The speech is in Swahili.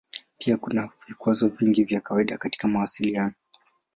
Pia kuna vikwazo vingi vya kawaida katika mawasiliano.